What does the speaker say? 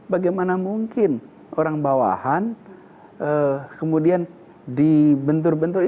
bagaimana mungkin orang bawahan kemudian dibentur bentur